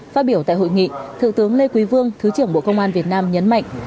phát biểu tại hội nghị thượng tướng lê quý vương thứ trưởng bộ công an việt nam nhấn mạnh